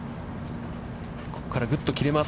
ここからぐっと切れます。